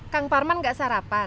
kang parman enggak sarapan